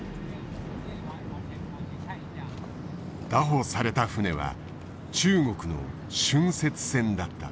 拿捕された船は中国の浚渫船だった。